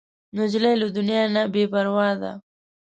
نجلۍ له دنیا نه بې پروا ده.